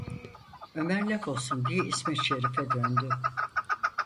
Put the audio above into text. Ömer laf olsun diye İsmet Şerife döndü: